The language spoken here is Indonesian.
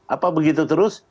apa begitu terus